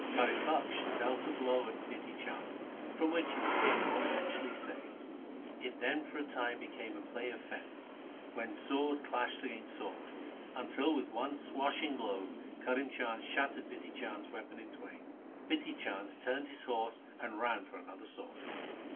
Karim Bakhsh dealt a blow at Bidhi Chand from which he was again providentially saved. It then for a time became a play of fence, when sword clashed against sword, until with one swashing blow Karim Bakhsh shattered Bidhi Chand's weapon in twain. Bidhi Chand turned his horse and ran for another sword.